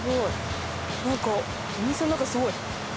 なんかお店の中すごい。